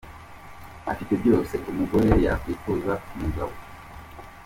Afite byose umugore yakwifuza ku mugabo.